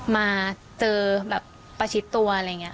มาเจอแบบประชิดตัวอะไรอย่างนี้